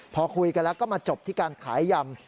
พอคุยกันแล้วก็มาจบที่การขายยำ